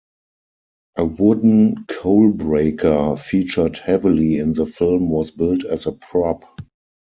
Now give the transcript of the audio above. A wooden coal breaker featured heavily in the film was built as a prop.